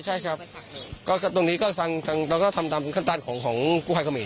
ใช่นะครับเราก็ทำตามขั้นตัดของกู้ไพเขามีน